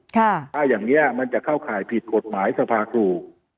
ถ้าอย่างนี้มันจะเข้าข่ายผิดกฎหมายสภาครู